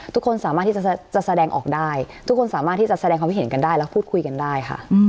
ทุกคนสามารถที่จะแสดงออกได้ทุกคนสามารถที่จะแสดงความคิดเห็นกันได้แล้วพูดคุยกันได้ค่ะ